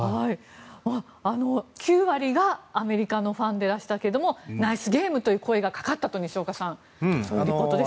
９割がアメリカのファンでいらしたけどもナイスゲームという声がかかったということでした。